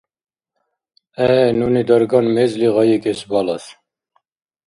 ГӀе, нуни дарган мезли гъайикӀес балас.